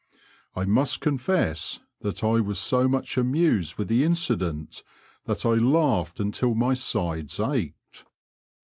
1 must confess that I was so much amused with the incident that I laughed until my sides ached.